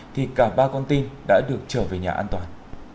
thì cả ba con tin đã được trở về nhà an toàn